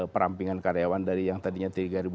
perampingan karyawan dari yang tadinya tiga dua ratus